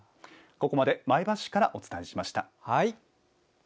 ここまで前橋市からお伝えしました。